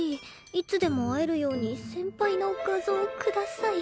いつでも会えるように先輩の画像ください